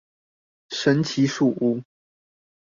神奇樹屋